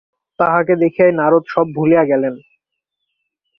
তাহাকে দেখিয়াই নারদ সব ভুলিয়া গেলেন।